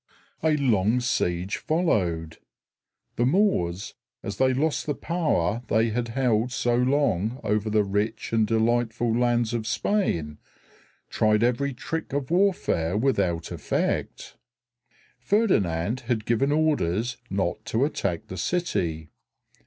A long siege followed. The Moors, as they lost the power they had held so long over the rich and delightful lands of Spain, tried every trick of warfare without effect. Ferdinand had given orders not to attack the city.